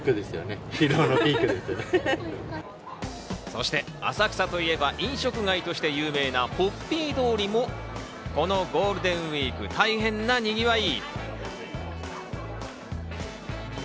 そして浅草といえば飲食街として有名なホッピー通りも、このゴールデンウイーク、大変なにぎわい。